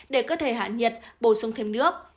để cơ thể hạ nhiệt bổ sung thêm nước